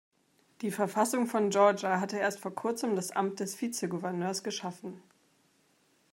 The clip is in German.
Die Verfassung von Georgia hatte erst vor kurzem das Amt des Vizegouverneurs geschaffen.